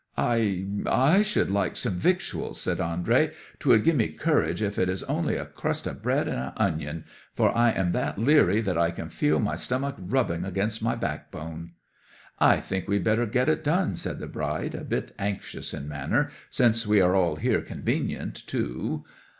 '"I—I should like some victuals," said Andrey, "'twould gie me courage if it is only a crust o' bread and a' onion; for I am that leery that I can feel my stomach rubbing against my backbone." '"I think we had better get it done," said the bride, a bit anxious in manner; "since we are all here convenient, too!"